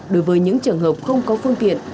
đối với những trường hợp không có phương tiện